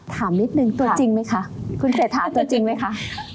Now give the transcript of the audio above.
ถามนิดนึงตัวจริงไหมคะคุณเศรษฐาตัวจริงไหมคะ